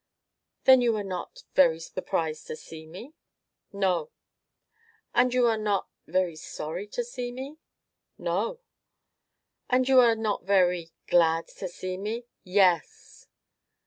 "Then you were not very surprised to see me?" "No." "And you are not very sorry to see me?" "No." "And are you not very glad to see me? "Yes."